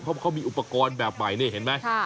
เพราะเขามีอุปกรณ์แบบใหม่นี่เห็นไหม